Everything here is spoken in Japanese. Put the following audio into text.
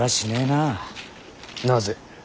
なぜ。